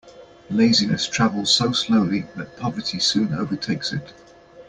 Laziness travels so slowly that poverty soon overtakes it.